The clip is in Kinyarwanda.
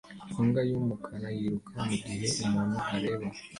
Imbwa yumukara yiruka mugihe umuntu areba